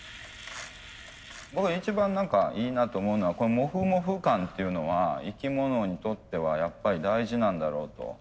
僕一番いいなと思うのはモフモフ感っていうのは生き物にとってはやっぱり大事なんだろうと。